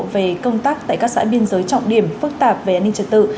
về công tác tại các xã biên giới trọng điểm phức tạp về an ninh trật tự